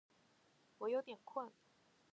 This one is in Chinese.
我有点困